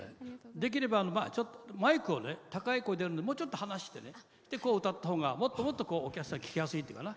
できれば、マイクを高い声出るようにもうちょっと離して歌ったほうがもっともっとお客さんが聴きやすいっていうかな。